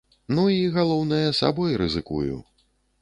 Ну і, галоўнае, сабой рызыкую.